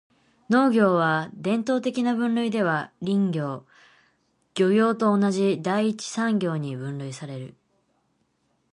農業は、伝統的な分類では林業・漁業と同じ第一次産業に分類される。